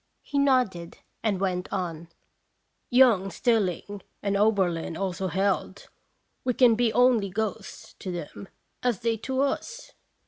He nodded, and went on: "Jung Stilling and Oberlin also held, we can be only ghosts to them, as they to us."